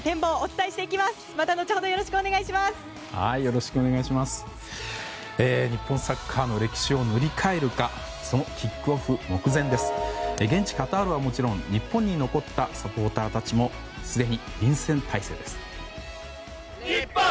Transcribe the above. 現地カタールはもちろん日本に残ったサポーターたちもすでに臨戦態勢です。